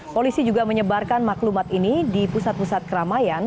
polisi juga menyebarkan maklumat ini di pusat pusat keramaian